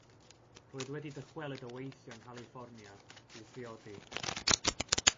Roedd wedi dychwelyd o weithio yng Nghaliffornia i'w phriodi.